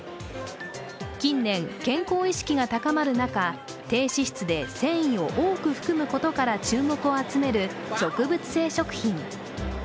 近年、健康意識が高まる中、低脂質で繊維を多く含むことから注目を集める植物性食品。